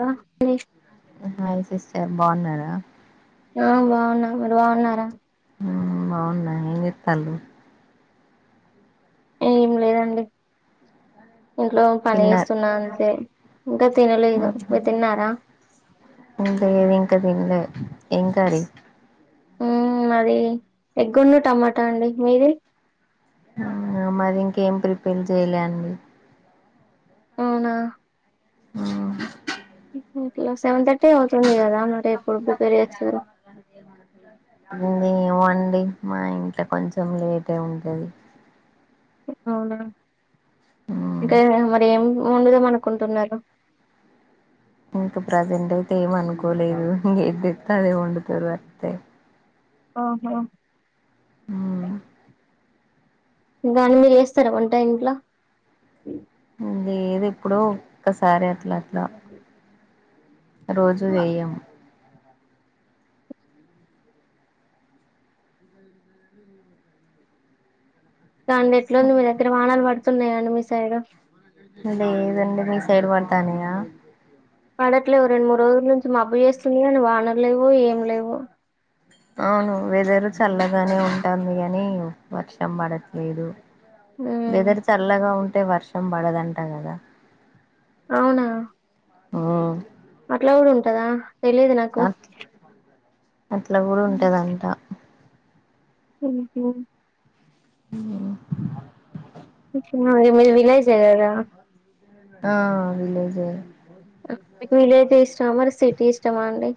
ఆ hi sister బాగున్నారా ఆ బాగున్నా మీరు బాగున్నారా బాగున్న ఏం చేతలు ఏమి లేదండి ఇంట్లో పని తిన్నారు చేస్తున్నా అంతే ఇంకా తినలేదు మీ తిన్నారా లేదు ఇంకా తినలే ఏం కర్రీ మాది ఎగ్గొన్న టమాటా అండి మీది ఆ మరి ఇంకేం ప్రిపేర్ చెయలేండి అవునా ఆ ఇంట్లో సెవెన్ థర్టీ అవుతుంది కదా ఎప్పుడు ప్రిపేర్ చేస్తారు ఆ అయ్యో అండి మా ఇంట్లో కొంచెం లేట్ ఉంటది అవునా మ్మ్ ఇంకా మరి ఏం వండుదాం అనుకుంటున్నారు ప్రజెంట్ ఏం అనుకోలేదు ఇంకేం తెత్తే అదే వండుతారు అంతే ఆహా మ్మ్ దని మీరు వేస్తార వంట ఇంట్లో లేదు ఇప్పుడు ఒక్కసారే అట్ల అట్ల రోజు వేయం రండి ఎట్లుంది మీ దగ్గర వానలు పడుతున్నాయా అండి మీ సైడు లేదండి మీ సైడ్ పడతన్నాయా పడట్లేవు రెండు మూడు రోజుల నుంచి మబ్బు చేస్తుంది కానీ వానలు లేవు ఏం లేవు అవును వెదరు చల్లగానే ఉంటాంది కాని వర్షం పడట్లేదు మ్మ్. వెదర్ చల్లగా ఉంటే వర్షం పడదంట కదా అవునా ఆ ఇట్ల కూడా ఉంటదా తెలిదు నాకు అట్ల కూడ ఉంటదంట ఉహు ఉ మీది విలేజే కదా ఆ విలేజే మీకు విలేజ్ ఇష్టమా మరి సిటీ ఇష్టమా అండి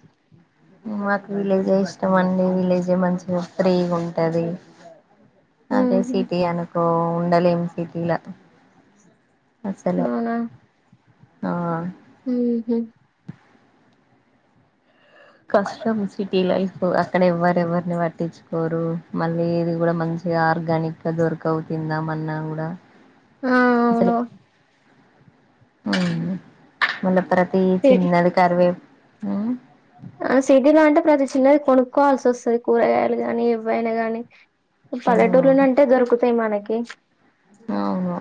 మాకు విలేజే ఇష్టం అండి విలేజే మంచిగా ఫ్రీగా ఉంటది అదే ఉహు, సిటీ అనుకో ఉండలేం సిటీలా అసలే ఆ ఉ కష్టం సిటీ లైఫ్ అక్కడ ఎవ్వరు ఎవ్వరిని పట్టించుకోరు మళ్ళీ ఇది కూడా మంచి చిగా ఆర్గానిక్గా దొరకవు తిందాం అన్నా కూడా ఆ అవును ఉ ములపరతి చిన్నది కారువే ఉ ఆ సిటీలో అంటే ప్రతి చిన్నది కొనుక్కోవాల్సి వస్తది కూరగాయలు గాని ఇవ్వైనా గాని ఉమ్ పల్లెటూర్లోనే ఉంటే దొరుకుతాయి మనకి అవును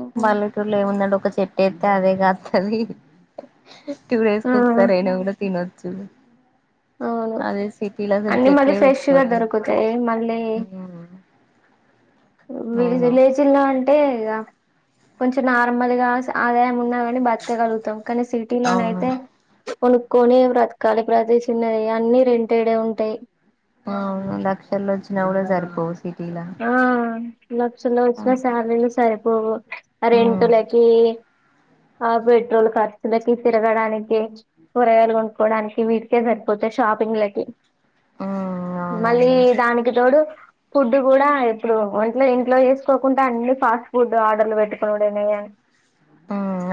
ఉహు. బల్లెటూరులో ఏముందండి ఒక చెట్టు ఏత్తె అదే కాత్తది టూ డేస్ ఆ కి ఒకసారి అయినా కూడా తినొచ్చు అవును అదే సిటీలా అసలు అన్ని మళ్ళీ చెట్లే ఫ్రెష్ గా పెట్టుకోనివ్ దొరుకుతాయి అయ్యో వి విలేజీల్లో అంటే ఇగ కొంచెం నార్మల్గా అదే ఏమున్నా కని బతకగలుగుతాం కానీ సిటీలోన అవును అయితే కొనుక్కొని బ్రతకాలి ప్రతి చిన్నది అన్ని రెంటేడే ఉంటాయి అవును లక్షల్లో వచ్చిన కూడా సరిపోవు సి ఆ లక్షలు వచ్చిన అంతే సాలరీలు సరిపోవు ఆ ఉమ్ రెంటులకి ఆ పెట్రోల్ ఖర్చులకి తిరగడానికి కూరగాయలు కొనుకోడానికి వీటికే సరిపోతే షాప్ పింగ్లకి ఉమ్ అవునండి మళ్ళీ దానికి తోడు ఫు డ్డు కూడా ఇప్పుడు వంట్లో ఇంట్లో చేసుకోకుంట అన్ని ఫాస్ట్ ఫుడ్ ఆర్డర్లు పెట్టుకోవడేమేగ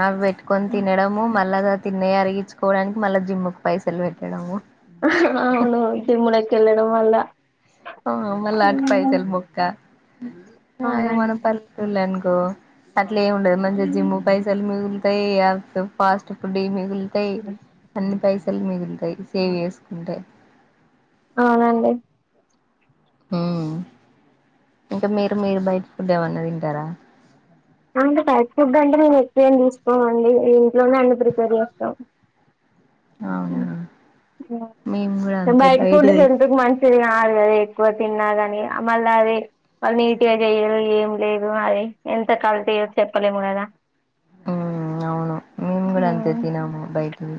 అవి పెట్టుకొని తినడము మళ్ళా తిన్నయి అరిగించుకోవడానికి మళ్ళ జిమ్ కు పైసలు పెట్టడము అవును జిమ్ములకి ఎల్లడం వల్ల ఆ మళ్ళ అటు పైసలు బొక్క అది మన అవునండి అట్లేం ఉండదు మంచిగ జిమ్ పైసలు మిగులుతాయి ఫాస్ట్ ఫుడ్ యి మిగుల్తే తయి అన్ని పైసలు మిగులుతయి సేవ్ చేసుకుంటే అవునండి ఇంకా మీరు మీరు బయట ఫుడ్ ఏమన్న తింటరా అంటే బయట ఫుడ్ అంటే మేము ఎక్కువ ఏమి తీసుకోమండి ఇంట్లోనే అన్ని ప్రిపేర్ చేస్తాం అవునా మేము కూడా అంతే బయటి ఫుడ్ బయటిది హెల్తికి మంచిది కాదు ఎక్కువ తిన్నా కాని మళ్ళ అది వాళ్ళు నీట్ గా చెయరు ఏం లేదు అది ఎంత కల్తిఓ చెేప్పలేం కదా ఉ అవును మేం కూడా అంతే తినము బైటివి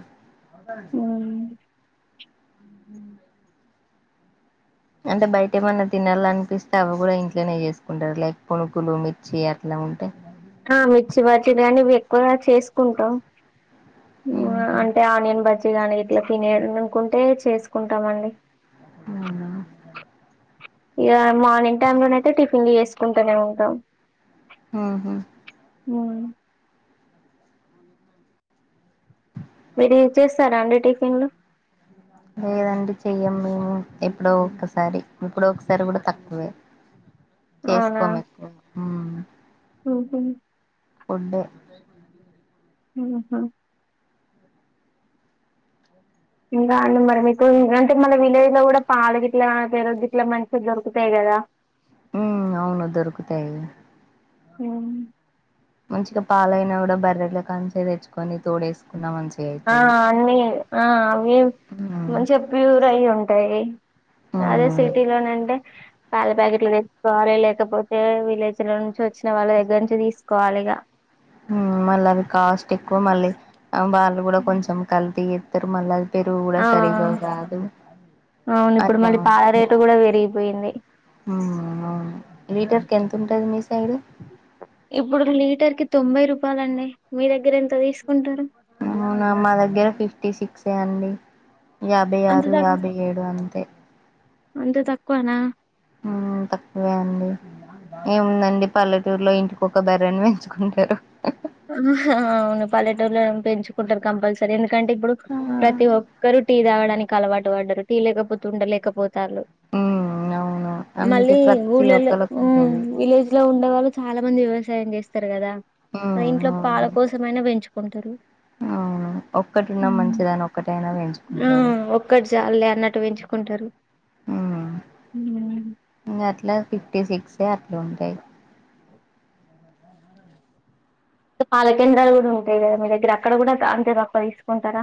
అంటే బయట ఏమన్న తినాలనిపిస్తే అవి కూడా ఇంట్లోనే చేసుకుంటరు లైక్ పుణగులు మిర్చి అట్లా ఉంటయి ఆ మిర్చి బజ్జీలు కానీ అవి ఎక్కువగా చేసుకుంటాం ఉహు. అంటే ఆనియన్ బజ్జి గాని ఇట్లా తినాలనుకుంటే చేసుకుంటామండి అవునా ఇక మార్నింగ్ టైమ్లోనయితే టిఫిన్లు చేసుకుంటనే ఉంటం ఆహా మా మీరు ఇది చేస్తరా అండి టిఫిన్లు లేదండి చెయ్యం మేము ఎప్పుడో ఒకసారి ఎప్పుడో ఒకసారి కూడా తక్కువే చేసుకోము ఎక్కువ ఓహో ఉండే ఆహా ఇంకా అండి మరి మీకు అంటే మన విలేజ్ లో కూడా పాలు గిట్ల పెరుగు గిట్లా మంచిగ దొరుకుతాయి కదా దా ఉమ్ అవును దొరుకుతయి ఆ మంచిగ పాలైనా కూడా బర్రెల కాంచలి తెచ్చుకొని తోడేసుకొని ఆ అన్నీ ఆ అవి ఉమ్ మంచిగా ప్యూర్ అయి ఉంటయి అదే అవును సిటీలోనంటే పాల ప్యాకెట్లు తెచ్చుకోవాలే లేకపోతే విలేజ్ లో నుంచి వచ్చిన వాళ్ళ దగ్గర నుంచి తీసుకోవాలి ఇక మళ్ళ అవి కాస్ట్ ఎక్కువ మళ్ళీ వాళ్ళు కూడా కొంచెం కల్తీ చేస్తరు మళ్ళ ఆ అవును ఇప్పుడు అట్లా మళ్ళీ పాల ఉంటుంది రేటు కూడా పెరిగిపోయింది ఉమ్ అవును లీటర్కి ఎంత ఉంటది మీ సైడ్ ఇప్పుడు లీటర్ కి తొంభై రూపాయలండి మీ దగ్గర ఎంత తీసుకుంటరు అవునా మా దగ్గర ఫిఫ్టీ సిక్సే అండి యాభై అంత ఆరు తక్ యాభై ఏడు అంతే అంత తక్కువనా ఆ తక్కువే అండి ఏముందండి పల్లెటూరులో ఇంటికొక బర్రని పెంచుకుంటరు అవును పల్లెటూళ్ళ పెంచుకుంటారు కంపల్సరీ ఎందు కంటే ఇప్పుడు ప్రతి ఒక్కరు టీ తాగడానికి అలవాటు పడ్డారు టీ లేకపోతే ఉండలేక పో తలు మ్మ్ అవును అందుకే మళ్ళీ ప్రతి ఊళ్ళలో ఒక్కళకు ఊ ఉంటది విలేజ్ లో ఉండేవాళ్ళు చాలా మంది వ్యవస్ వ్యసాయం చేస్తారు కదా. మ్మ్ ఇంట్లో పాల అవును కోసమైన పెంచుకుంటరు. ఆ ఒక్కటున్న మంచిదని ఒక్కటైనా ఆ పెంచుకుంటరు. ఒక్కటి చాల్లే అన్నట్టు పెంచుకుంటారు ఆ హ్మ్. ఇగ అట్లా ఫిఫ్టీ సిక్సే అట్ల ఉంటయి. పాలకేంద్రాలు కూడా ఉంటాయి కదా మీ దగ్గర అక్కడ కూడా అంతే తక్కువ తీసుకుంటరా.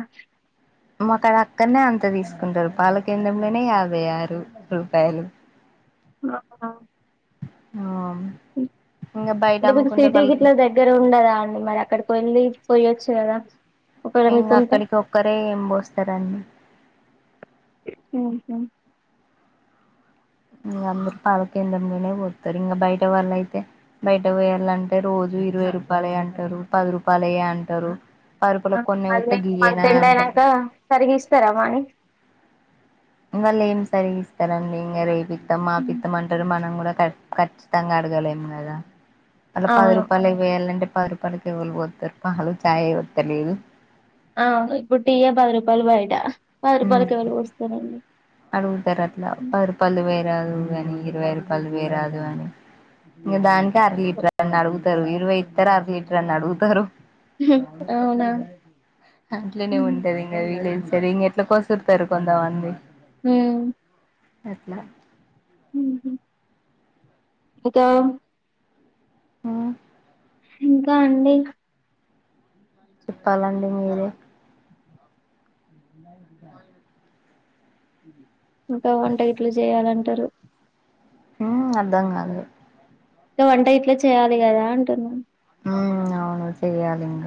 మాకది అక్కనే అంత తీసుకుంటరు పాల కేంద్రంలనే యాభై ఆరు రూపాయలు. అ ఆ ఆ ఉ ఇంగ బయట అంటే మీకు అమ్ముకుంటే సిటీక వాళ్ళు ఇట్ల దగ్గర ఉండదా అండి మరి అక్కడికి వెళ్ళి పోయొచ్ చ్చు కదా ఒకవేళ ఇంక మీకుంటే అక్కడికి ఒక్కరే ఏం పోస్తరని ఉహు ఇంగ అందరు పాల కేంద్రంలనే పోతరు ఇంక బయట వాళ్ళ అయితే బయట పోయాలంటే రోజు ఇరవై రూపాలయంటరు పది రూపాలయె అంటరు. అ అవి అంత ఎండ ఐనంక సరిగిస్తర మనీ వాళ్ళు ఏం సరిగి ఇస్తారండి ఇంకా రేపితం మా పితం అంటరు మనం కూడా ఖ ఖచ్చితంగా అడగలేము అట్ల పది అవును రూపాలయి పోయాలంటే పది రూపాలకు ఎవరు పోతరు పాలు చాయే అతలేదు ఆవును ఇప్పుడు టీయే పది రూపాయలు బయట పది ఉమ్ రూపాలకి ఎవలు పోస్తరండి. అడుగుతారు అట్లా పది రూపాయల్ది పొయరాదు అని ఇరవై రూపాయలు పోయరాదు అని ఇగ దానికే అర లీటర్ అని అడుగుతారు ఇరవై ఇస్తరు అర లీటర్ అని అడుగుతరు. అవునా అట్లనే ఉమ్ ఉంటది ఇంక వీలది సరింగా ఎట్ల కొసురుతరు కొంతమంది ఊ అట్లా ఊహు ఇంకా ఉమ్ ఇంకా అండి చెప్పాలండి మీరే ఇంకా వంట గిట్ల చేయాలంటరు ఊ అర్థం కాలే గ వంట ఇట్లా చేయ్యాలి కదా అంటున్నా ఊ అవును చేయలింగ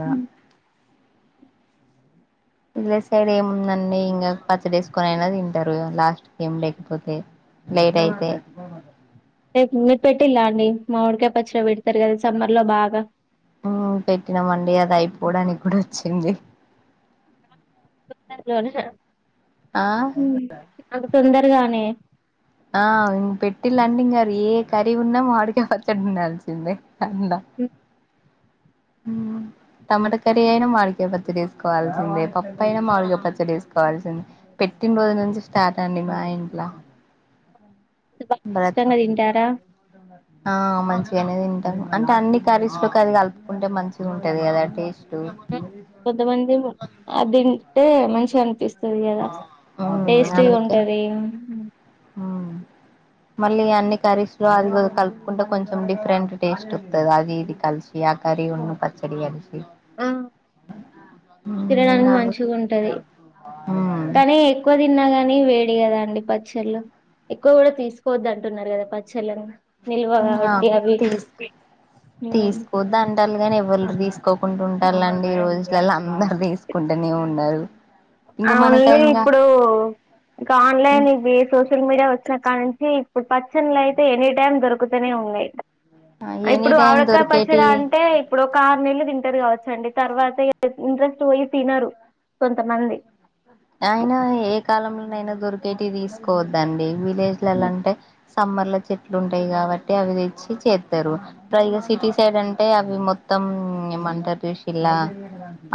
ఇల సైడ్ ఏముందండి ఇంకా పచ్చడిసుకొనై తింటరు లాస్ట్ ఏం లేకపోతే లేట్ అయితే రేప్ మీరు పెట్టిలా అండి మామిడికాయ పచ్చ పెడతరు కదా సమ్మర్ లో బాగా ఊ పెట్టినమండి అది అయిపోవడానికి కూడా వచ్చింది తొందర్లోనే ఆ ఆ అంత తొందరగానే ఆ ఇం పెటిలంటింకా ఏ కరీ ఉన్నా మామిడికాయ పచ్చడి ఉండాల్సిందే అండ్ల ఊ టమట కర్రీ అయినా మాడికయ పచ్చ తీసుకోవాల్సిందే పప్ప అయినా మాడికయ పచ్ చడి ఏసుకోవాల్సిందే పెట్టిన రోజు నుంచి స్టార్ట్ అండి మా ఇంట్ల బాగా బరత్ ఇష్టంగా తింటారా ఆ ఆ మంచిగనే తింటాము అంటే అన్ని కర్రీస్లోకి అది కలుపుకుంటే మంచిగుంటది కదా టేస్ట్ కొంతమంది అది తింటే మంచిగా అనిపి స్తాది కదా టేస్ట్ ఉంటది ఆమ్మ్ మళ్ళీ అన్ని కర్రీస్లో అది కలుపుకుంటే కొంచెం డిఫరెంట్ టేస్ట్ వత్తాది అది ఇది కలిసి సి ఆ కర్రీ ఉన్న పచ్చడి క ఆ మ్మ్ నేను తినడానికి అదే మంచిగుంటది మ్మ్ కానీ ఎక్కువ తిన్నాగా ని వేడి కదా అండి పచ్చళ్ళు ఎక్కువ కూడా తీసుకోవద్దంటున్నారు కదా పచ్చళ్ళని నిల్వ ఆ కాబట్టి అవు అవి తీసుక్ ఉమ్. తీసుకోవద్దు అంటళ్లు కాని ఎవళ్ళు తీసుకోకుంటూ ఉంటారండి ఈ రోజులలో అందరుూ తీసుకుంటూనే ఉన్నారు ఇంకా మనక అవున్లే ఇంకా ఇప్పుడు ఇక ఆన్లైన్ ఇది సోషల్ మీడియా వచ్చినకాడి నుంచి ఈ పచ్చళ్లయితే ఎనీ టైమ్ దొరుకుతూనే ఉన్నాయి ఎనీ ఇప్పుడు టైం ఆవిడకాయ దొరికేటి పచ్చడాంటే ఇప్పుడు ఒక ఆరు నెలలు తింటారు కావ చండి తర్వాత ఇంట్రెస్ట్పోయి తినరు కొంతమంది అయినా ఏ కాలంలోనైనా దొరికేటి తీసుకోవద్దండి విలేజ్లలో హ్మ్. అంటే సమ్మర్లో చెట్లు ఉంటాయి కాబట్టి అవి తెచ్చి చేస్తారు పైగా సిటీ సైడ్ అంటే అవి మొ త్తం ఏమంటారు చూసిల్లా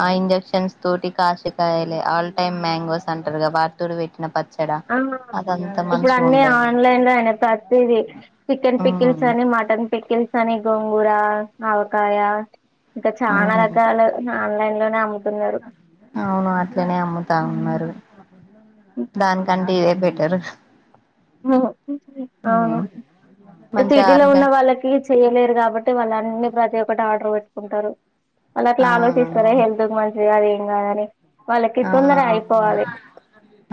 ఆ ఇంజెక్షన్స్ తోటి కాసేకాయాలే ఆల్ టైం మ్యాంగోస్ అంటారుగా వాటితోటి పెట్టిన పచ్చడా ఆ అదం ఇప్పుడు అన్ని ఆన్లైన్లో అయినయ్ ప్రతిదీ చికెన్ పిక్కిల్స్ ఉమ్ అని మటన్ పిక్కిల్ తని గోంగుర ఆవకాయ ఇంకా చాలా రకాల ఆన్లైన్లోనే అమ్ము అవును అట్లనే అమ్ముతా హ్మ్. ఉన్నారు దానికంటే ఇదే బెటరు ఓ ఆహా మంచి సిటీలో ఆర్గా ఉన్న వాళ్ళకి చెయ్యలేరు కాబట్టి వాళ్ళన్నీ ప్రతి ఒక్కటి ఆర్డర్ పెట్టు కుంటారు వాళ్ళు అట్లా ఆ అవును ఆలోచిస్తారా హెల్త్ కి మంచిది కాదు ఏం కాదని వాళ్ళకి ఆ తొందర అవును అయిపోవాలి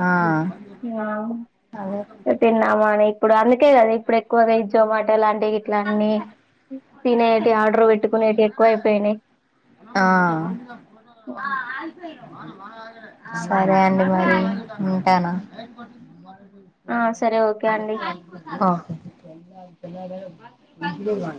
ఆ ఆ అదే తిన్నామా అని ఇప్పుడు అందుకే కదా ఇప్పుడు ఎక్కువగా ఈజొమాటో లాం టే ఇట్లా అన్ని తినేటి ఆర్డర్ పెట్టుకునేటి ఎక్కువ అయిపోయినాయి ఆ సరే అండి మరి ఉంటాను ఆ సరే ఓకే అండి న్నలో కా